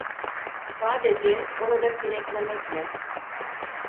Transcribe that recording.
Sadece orada pineklemekle…